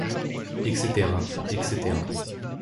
Etc., etc.